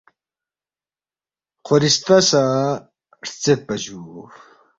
خورِستہ سہ ہرژیدپا جُو